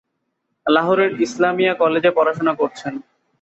লাহোরের ইসলামিয়া কলেজে পড়াশোনা করেছেন।